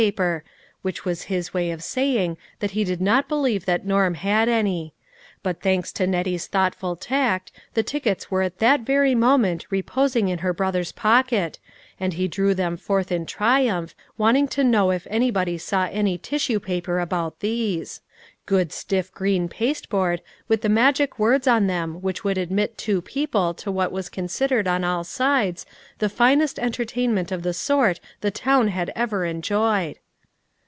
paper, which was his way of saying, that he did not believe that Norm had any; but, thanks to Nettie's thoughtful tact, the tickets were at that very moment reposing in her brother's pocket, and he drew them forth in triumph, wanting to know if anybody saw any tissue paper about those. Good stiff green pasteboard with the magic words on them which would admit two people to what was considered on all sides the finest entertainment of the sort the town had ever enjoyed.